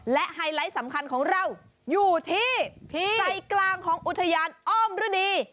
และไฮไลท์สำคัญของเราอยู่ที่ใจกลางของอุทยานอ้อมฤดี